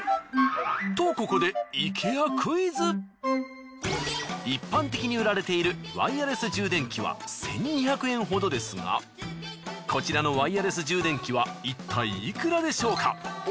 とここで一般的に売られているワイヤレス充電器は１，２００円ほどですがこちらのワイヤレス充電器はいったいいくらでしょうか？